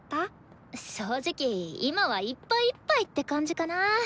正直今はいっぱいいっぱいって感じかな。